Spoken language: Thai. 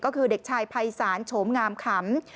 ก็คือเด็กชายภัยศาลโฉมงามขำ